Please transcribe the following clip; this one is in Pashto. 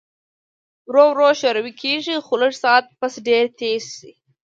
ورو ورو شورو کيږي خو لږ ساعت پس ډېر تېز شي